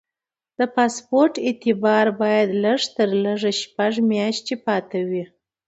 د پاسپورټ اعتبار باید لږ تر لږه شپږ میاشتې پاتې وي.